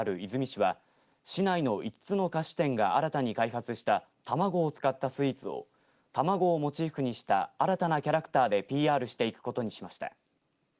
市は市内の５つの菓子店が新たに開発した卵を使ったスイーツを卵をモチーフにした新たなキャラクターでＰＲしていくことにしました。